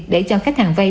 để cho khách hàng vây